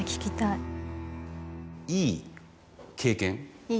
いい経験。